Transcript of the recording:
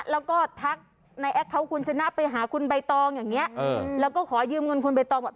แล้วก็ทักในแอ๊กเขาคุณชนะไปหาคุณใบตองแล้วก็ขอยืมเงินคุณใบตอง